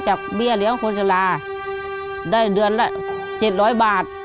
เบี้ยเลี้ยงโฆษลาได้เดือนละ๗๐๐บาท